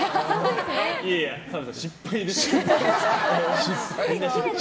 いやいや、澤部さん失敗です。